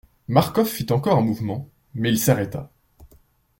Marcof fit encore un mouvement, mais il s'arrêta.